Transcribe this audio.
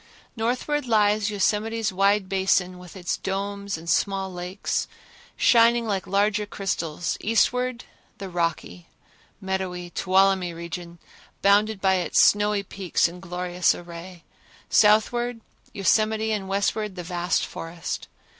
Northward lies Yosemite's wide basin with its domes and small lakes, shining like larger crystals; eastward the rocky, meadowy Tuolumne region, bounded by its snowy peaks in glorious array; southward Yosemite and westward the vast forest.